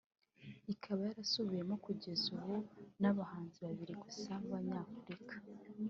ikaba yarasubiwemo kugeza ubu n’abahanzi babiri gusa babanyafurika